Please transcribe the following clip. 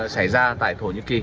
xảy ra tại thổ nhĩ kỳ